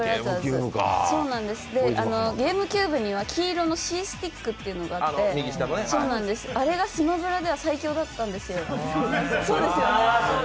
ゲームキューブには黄色のＣスティックというのがあってあれが「スマブラ」では最強だったんですよ。